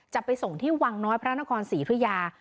จะไปส่งที่วังน้อยพระนครศรีธุยา